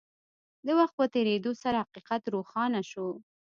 د وخت په تېرېدو سره حقيقت روښانه شو.